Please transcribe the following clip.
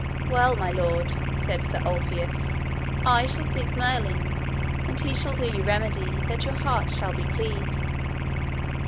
Well, my lord, said Sir Ulfius, I shall seek Merlin, and he shall do you remedy, that your heart shall be pleased.